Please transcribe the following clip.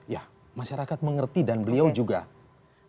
ya masyarakat mengerti dan beliau juga memahami soal itu